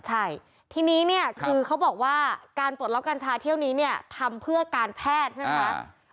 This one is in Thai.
ใช่ทีนี้เนี่ยคือเขาบอกว่าการปลดล็อกกัญชาเที่ยวนี้เนี่ยทำเพื่อการแพทย์ใช่ไหมคะ